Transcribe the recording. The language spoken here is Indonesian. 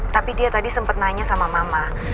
tapi dia tadi sempat nanya sama mama